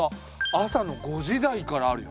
朝の５時台からあるよ。